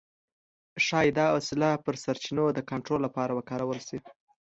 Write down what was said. ښايي دا وسیله پر سرچینو د کنټرول لپاره وکارول شي.